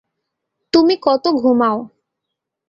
তুমি কতো ঘুমাও!